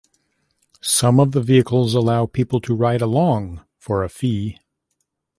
Some of the vehicles allow people to ride along, for a fee.